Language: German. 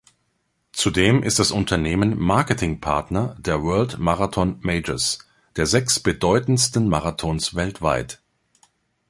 Zudem ist das Unternehmen Marketing-Partner der World Marathon Majors, der sechs bedeutendsten Marathons weltweit.